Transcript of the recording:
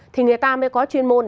thì người ta mới có chuyên môn đó